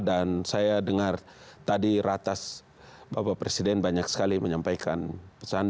dan saya dengar tadi ratas bapak presiden banyak sekali menyampaikan